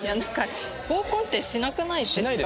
合コンってしなくないですか？